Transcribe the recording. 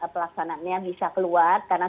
pelaksanaannya bisa keluar karena